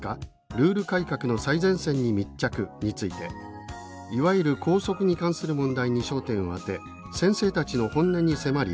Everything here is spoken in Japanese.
ルール改革の最前線に密着！」について「いわゆる『校則』に関する問題に焦点を当て先生たちの本音に迫り